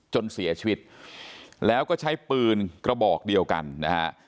จนเสียชีวิตแล้วก็ใช้ปืนกระบอกเดียวกันนะฮะ